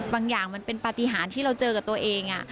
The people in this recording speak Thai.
อย่างมันเป็นปฏิหารที่เราเจอกับตัวเอง